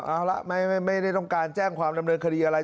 เอาละไม่ได้ต้องการแจ้งความดำเนินคดีอะไร